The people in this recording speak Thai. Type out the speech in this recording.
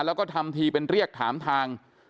แล้วก็ทำทีเป็นเรียกถามทาง